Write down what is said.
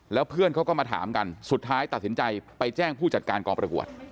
แล้วเพื่อนเขาก็มาถามกันสุดท้ายตัดสินใจไปแจ้งผู้จัดการกองประกวด